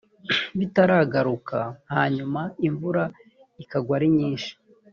bitaragaruka hanyuma imvura ikagwa ari nyinshi